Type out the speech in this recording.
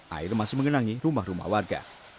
air masih mengenangi rumah rumah warga